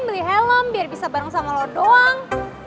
beli helm biar bisa bareng sama lo doang